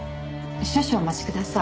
少々お待ちください。